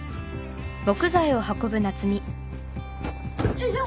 よいしょ！